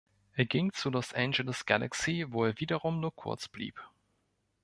Er ging zu Los Angeles Galaxy, wo er wiederum nur kurz blieb.